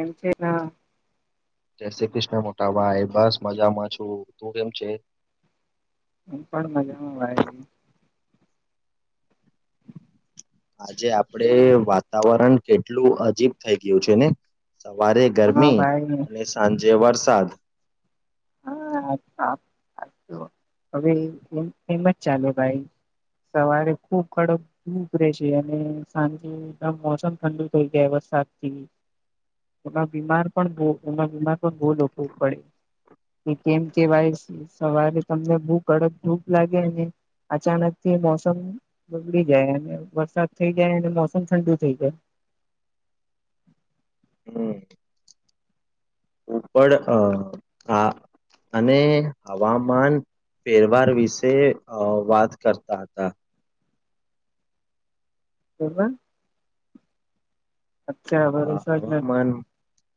એમ છેના જય શ્રી કૃષ્ણ મોટા ભાઈ બસ મજામાં છું તું કેમ છે એમ પણ મજામાં ભાઈ આજે આપડે ભાઈ વાતાવરણ કેટલું અજીબ થઈ ગયું છે ને સવારે હા ગરમી ભાઈ અને સાંજે વરસાદ હા હવેમ એમ જ ચાલે ભાઈ સવારે ખુબ કડક ધુપ રહે છે અને સાંજે મોસમ ઠંડુ થઈ જાય વુ સાચી એ બીમાર પણ એ બીમાર પણ બહુ લોકો પડે કેમ કેવાય સવારે તમને બહુ કડક ધુપ લાગેને અચાનક થી મોસમ બગડી જાય અને વરસાદ થઈ જાય અને મોસમ ઠંડુ થઇ જાય હમ ઉપર અ આ અને હવામાન તહેવાર વિશે અ વાત કરતા હતા [unintelligible]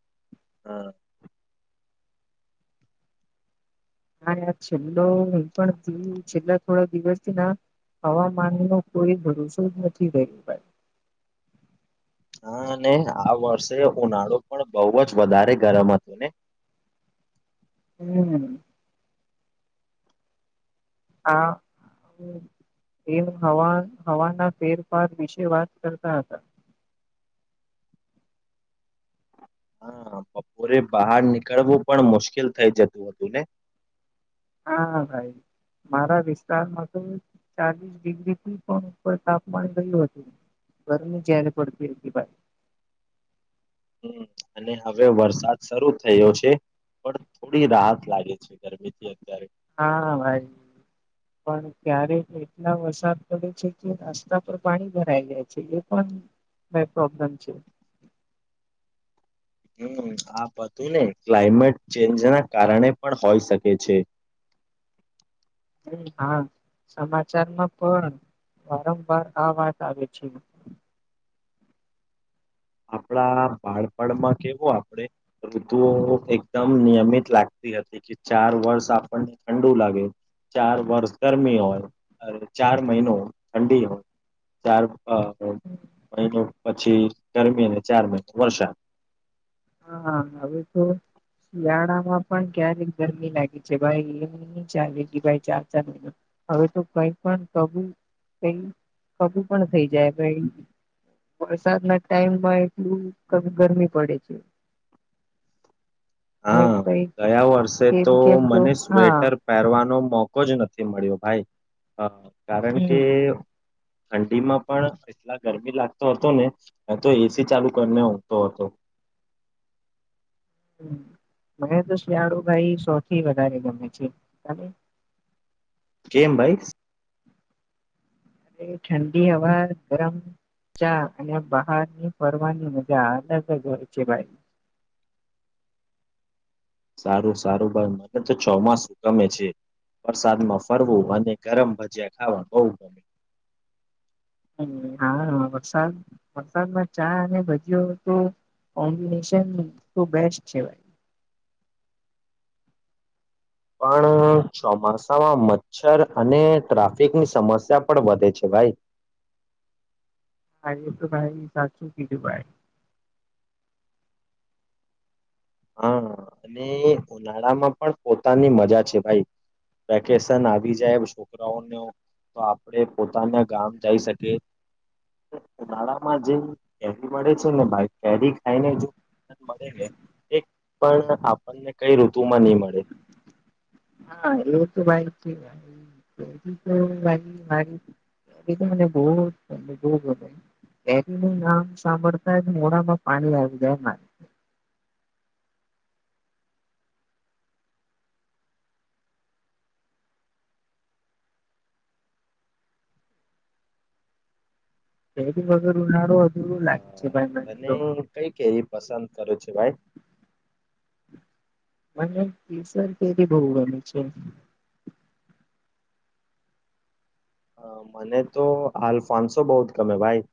હા હા છેલ્લો હહી પણ છેલ્લા થોડા દિવસથી ના હવામાનુ કોઈ ભરોસો જ નથી ગયો ભાઈ [inaudible] હા અને આ વર્ષે ઉનાળો પણ બહુ જ વધારે ગરમ હતો ને [inaudible] હમ હા એમ હવા હવાના ફેરફાર વિશે વાત કરતા હતા હા હા બપોરે બહાર નીકળવું પણ મુશ્કેલ થઇ જતું હતું ને હા ભાઈ મારા વિસ્તારમાં તો ચાલીસ ડિગ્રીથી પણ ઉપર તાપમાન ગયું હતું ગરમી જયારે પડતી હતી ભાઈ હમ અને હવે વરસાદ શરૂ થયો છે પણ થોડી રાહત લાગે છે ગરમી થી અત્યારે હા ભાઈ પણ ક્યારેક એટલા વરસાદ પડે છે કે રસ્તા પર પાણી ભરાઈ જાય છે એ પણ [inaudible] કઈ પ્રોબ્લેમ છે [inaudible] હું આ બધુને ક્લાઇમેટ ચેન્જના કારણે પણ હોઈ શકે છે [inaudible] હમ. હા, સમાચારમાં પણ વારંવાર આ વાત આવે છે. આપડા બાળપણમાં કેવું આપડે ઋતુઓ એકદમ નિયમિત લાગ તે હતી કે ચાર વર્ષ આપણને ઠંડુ લાગે ચાર વર્ષ ગરમી હોય અને ચાર મહિનો ઠંડી હોય ચાર હ હ, મહિનો પછી ગરમી અને ચાર મહિનો વરસાદ. હા, હવે તો શિયાળામાં પણ ક્યારેક ગરમી લાગી છે, ભાઈ એ ની ચાલે છે કી ભાઈ ચાર ચાર મહિના હવે તો કઈ પણ કબું કઈ કબું પણ થઈ જાય ભઈ. વરસાદના ટાઈમમાં એટલું કબી ગરમી પડે છે. ને હા, કઈ ગયા વર્ષે કેમ તો કેમ મને હા સ્વેટર પેહરવાનો મોકો જ નથી મળ્યો ભાઈ અ કારણ કે હમ ઠંડીમાં પણ એટલા ગરમી લાગતો હતો ને હતો એસી ચાલુ કરીને ઊંઘતો હતો. [inaudible] મને તો શિયાળો ભાઈ સૌથી વધારે ગમે છે તમે. કેમ ભાઈ સ અરે ઠંડી હવા ગરમ ચા અને બહારની ફરવાની મજા અલગ જ હોય છે ભાઈ. સારું સારું ભાઈ મને તો ચોમાસું ગમે છે. વરસાદમાં ફરવું અને ગરમ ભજીયા ખાવા બહુ ગમે. અમ હા, વરસાદ વરસાદમાં ચા અને ભજીઓ તો કોમ્બિનેશન તો બેસ્ટ છે ભાઈ. પણ ચોમાસામાં મચ્છર અને ટ્રાફિકની સમસ્યા પણ વધે છે ભાઈ. હા, એ તો ભાઈ સાચું કીધું ભાઈ. હા, અને ઉનાળામાં પણ પોતાની મજા છે ભાઈ. વેકેશન આવી જાય એવુ છોકરાઓને તો આપડે પોતાના ગામ જઈ શકીએ. નાળામાં જે કેરી મળે છે ને ભાઈ કેરી ખાઈને જો મળે ને એક પણ આપણને કઈ ઋતુમાં નની મળે. હા એવું તો ભાઈ છે [unintelligible] મારી એ તો મને બહુજ બહું ગમે. કેરીનું નામ સાંભળતા જ મોડામાં પાણી આવી જાયના. હ બૈરી વગરનું હારું હત હ તને કઈ કેરી પસંદ કરો છો ભાઈ. મને કેસર કેરી બહુ ગમે છે. અ મને તો હાલ ફાંસો બહુ જ ગમે ભાઈ.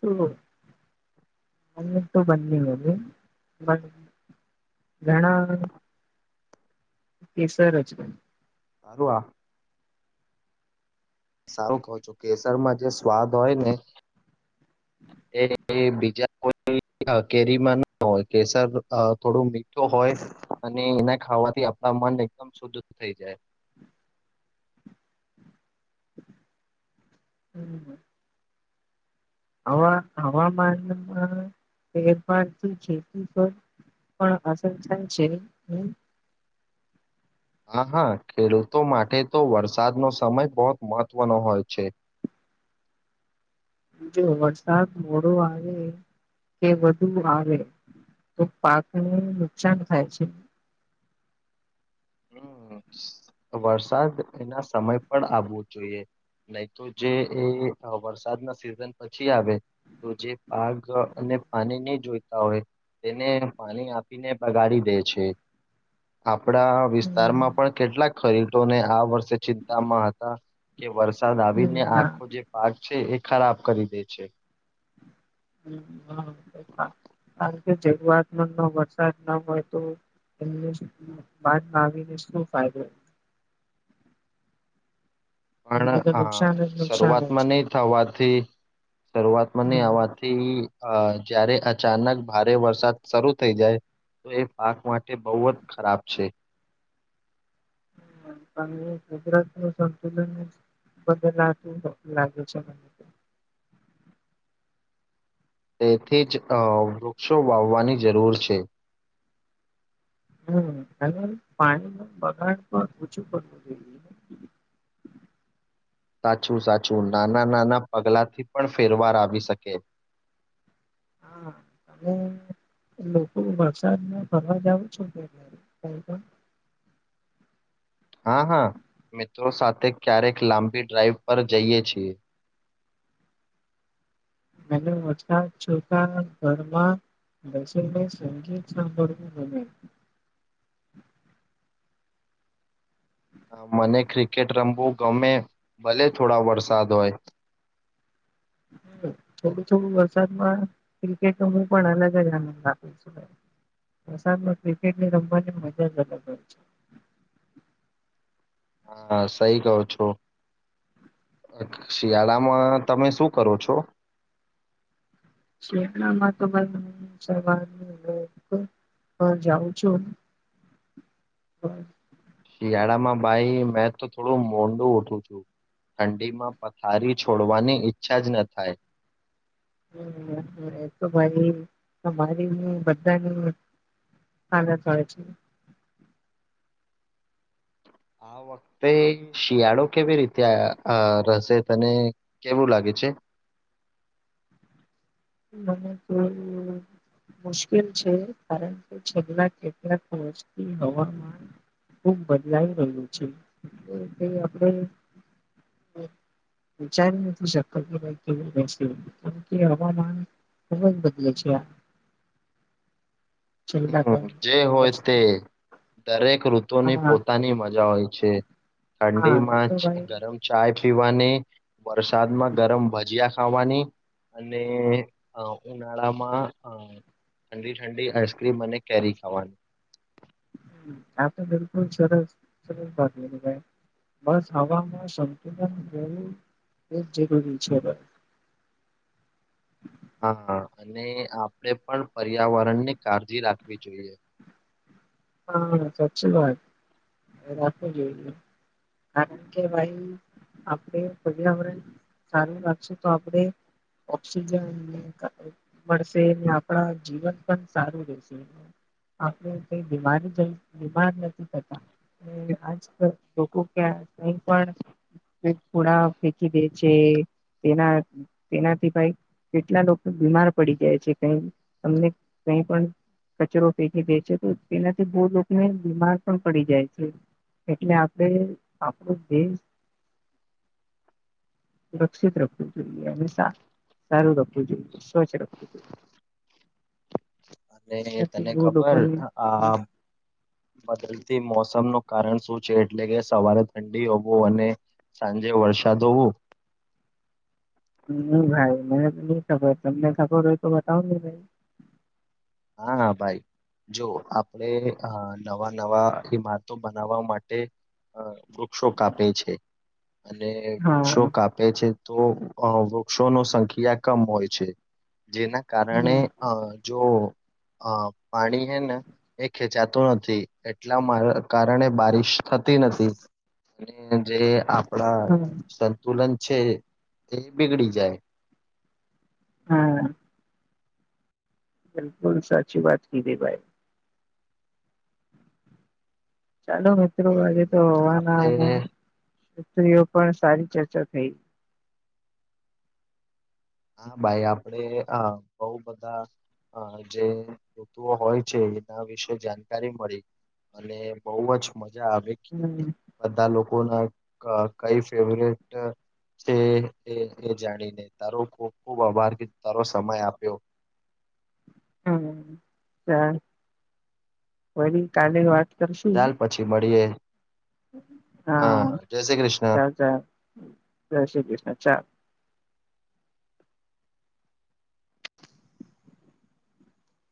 સુ લો અમને તો બંને ગમે ભાઈ. ઘણા કે સરજ તરવા સારું કો છો કેસરમાં જે સ્વાદ હોય ને એ બીજા કોઈ કેરીમાં ના હોય કેસર થોડું મીઠું હોય અને એના ખાવાથી આપ આ મન એકદમ શુદ્ધધ થઈ જાય. હમ હ. હવા હવામાનમાં ફેરફારથી ખેતી તો પણ આસર થાય છે [inaudible] હા હા ખેડૂતો માટે તો વરસાદનો સમય બહુત મહત્વનો હોય છે [inaudible] જો વરસાદ મોડો આવે કે વધુ આવે તો પાકનું નુકસાન થાય છે હમ વરસાદ એ ના સમય પણ આવવું જોઈએ નહી તો જે એ વરસાદના સિઝન પછી આવે તો જે પાગ અને પાણી નહી જોઈતા હોય તેને પાણી આપીને બગાડી દે છે આપડા વિસ્તારમાં પણ કેટલાક ખરીદોને આ વર્ષે ચિંતામાં હતા કે વરસાદ આવીને આખો જે પાક છે એ ખરાબ કરી દે છે હા કારણ કે જરૂઆતમાં વરસાદ ના હોય તો એમને બાદમાં આવીીને શું ફાયદો [inaudible] પણ એમને તો આ નુકસાન જ નુકસાન હોય શરૂઆતમાં છે નહી થવાથી શરૂઆતમાં નહી હમ આવાથી અ જયારે અચાનક ભારે વરસાદ શરૂ થઇ જાય તો એ પાક માટે બહુ જ ખરાબ છે હમજરા શ બદલાતું લાગે છે મને [inaudible] તેથી જ વૃક્ષો વાવવાની જરૂર છે હમ અને પાણી ન બગાડ પર ઓછું કરવું જોઈ [inaudible] સાચું સાચું નાના નાના પગલાંથી પણ ફેરવાર આવી શકે હા અને લોકો વરસાદમાં ફરવા જાવ છો ક પણ હા હા મિત્રો સાથે ક્યારેક લાંબી ડ્રાાઈવ પર જઈએ છીએ [inaudible] મ ઓછા છો ઘરમાં બસ સંખીભ [inaudible] મને ક્રિકેટ રમવું ગમે ભલે થોડા વરસાદ હોય [inaudible] થોડું થોડું વરસાદમાં ક્રિકેટ ન હું પણ અલગ જ આનંદ આપું છું વરસાદમાં ક્રિકેટની રમવાની મજા જ અલગ હોય છે [inaudible] હા સહી કરહો છો શિયાળામાં તમે શું કરો છો શેણામાં તોવા હા જાઉં છું હ શિયાળામાં ભાઈ મેં તો થોડું મોંડું ઉઠું છું ઠંડીમાં પથારી છોડવાની ઈચ્છા જ ન થાય હમ તોરી તમારી બધાનું હ થ છે આ વખતે શિયાળો કેવી રીતે રહેશે તને કેવું લાગે છે [inaudible] મને તો મુશ્કેલ છે કારણ કે છેલ્લા કેટલાક હવામાન ખુબ બદલાઈ રહ્યું છે એ આપણે વિચારી નથી શકતો કે ભાઈ કેવું બેસી કાર કે હવામાન ખૂબ જ બદલે છે છેલ્લા હમ ત્રણ જે હોય તે વર્ષથી દરેક ઋતુની હા પોતાની મજા હોય છે. હા એ ઠંડીમાં તો ભાઈ ગરમ ચાય પીવાની વરસાદ માં ગરમ ભજીયા ખાવાની અને ઉનાળામાં ઠંડી ઠંડી આઈસ છકરી મ અને કેરી ખાવાની આ તો બિલકુલ સરસ સરસ ભાગ લ ભાઈ બસ હવામાં સંતુલન રહેવું એ જ જરૂરી છે બસ [inaudible] હા અને આપણે પણ પર્યાવરણ ને કાળજી રાખવી જોઈએ હા સાચી વાત રાખવી જોઇએ કારણ કે ભાઈ આપણે પર્યાવરણ સારું રાખશું તો આપડણે ઓક્સિજન મળશે આપણા જીવન પણ સારું રહેશે- [inaudible] બીમારી બીમાર નથી થતા એ આજ લોકો ક્યાં કઈ પણ ઘોડા ફેંકી દે છે તેના તેનાથી ભાઈ કેટલા લોકો બીમાર પડી જાય છે કઈ તમને ક પણ કચરો પેકી દે છે તો તેનાથી બહ લોકોને બીમાર પણ પડી જાય છે એટલે આપડે આપણું દેશ [inaudible] સુરક્ષિત રખવું જોઈએ અને સા સારું રખવું જોઈએ સ્વચ્છ રખવું જોઈએ. અને એનાથી તને બહુ ખબર લોકોને આ બદલતી મોસમ નું કારણ શું એટલે કે સવારે ઠંડી હોવું અને સાંજે વરસાદ હોવો [inaudible] ભાઈ મેને તો નહી ખબર તમને ખબર હોય તો બતાઉ ભાઈ હા હા ભાઈ જો આપણે અ નવા નવા ઈમારતો બનાવવા માટે અ વૃક્ષો કાપે છે અને વૃક્ષો હા કાપે છે તો અ વૃક્ષો ન સંખ્યા કમ હોય છે. જેના કારણે હમ અ જો હ પાણી હે ને એ ખેચાતું નથી એટલા મા કારણે બારિશ- થતી નથી અને જે આપડા હમ સંતુલન છે એ બિગડી જાય હા. બિલકુલ સાચી વાત કીધઈ ભાઈ. ચાલો મિત્રો આજે હમ તો હવાના આપડે એઓ [unintelligible] પણ સારી ચર્ચા થઈ હા ભાઈ આપડે આ બહુ બધા અ જે ઋતુઓ હોય છે એના વિશે જાણકારી મળી અને બહુ જ મજા આવે હમ બધા લોકો જાણીને તો [unintelligible] કો ખૂબ આભાર કી તારો સમય આપ્યો હમ ચાલ વરી કાલે વાત કરશું ચાલ પછી મળીએ. હા જય શ્રી કૃષ્ણ ચાલ ચાલ જય શ્રી કૃષ્ણ ચાલ